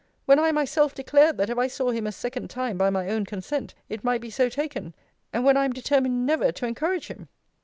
when I myself declared, that if I saw him a second time by my own consent, it might be so taken? and when I am determined never to encourage him?